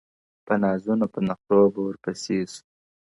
په نازونو په نخرو به ورپسې سو-